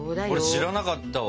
知らなかったわ。